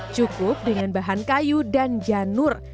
cukup dengan bahan kayu dan janur